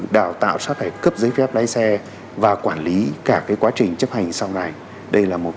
đào tạo sát hạch cấp giấy phép lái xe và quản lý cả cái quá trình chấp hành sau này đây là một